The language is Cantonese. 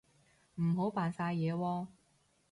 唔好扮晒嘢喎